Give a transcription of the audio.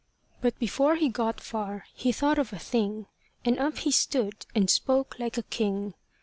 But before he got far, he thought of a thing; And up he stood, and spoke like a king.